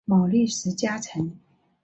毛利氏家臣。